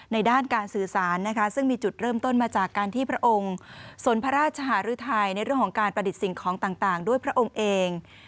ด้านการสื่อสารนะคะซึ่งมีจุดเริ่มต้นมาจากการที่พระองค์สนพระราชหารือไทยในเรื่องของการประดิษฐ์สิ่งของต่างด้วยพระองค์เอง